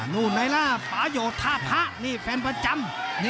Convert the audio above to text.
นู่นไหนล่ะภาโยธาพะนี่แฟนประจำ